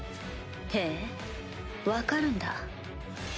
へぇ分かるんだ。